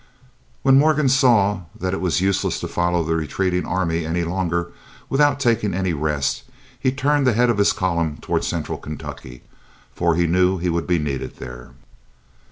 When Morgan saw that it was useless to follow the retreating army any longer, without taking any rest he turned the head of his column toward Central Kentucky, for he knew he would be needed there.